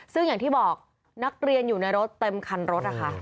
ซึ่งอย่างที่บอกนักเรียนอยู่ในรถเต็มคันรถนะคะ